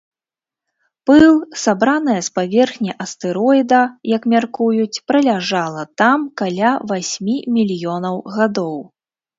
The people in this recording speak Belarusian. Пыл, сабраная з паверхні астэроіда, як мяркуюць, праляжала там каля васьмі мільёнаў гадоў.